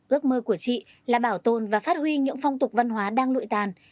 ước mơ của chị là bảo tồn và phát huy những phong tục văn hóa đang lụi tàn